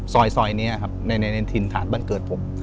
ซอยเนี่ยครับในทินฐานบันเกิดผม